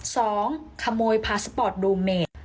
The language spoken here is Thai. สองขโมยพาสปอร์ตโดมเมด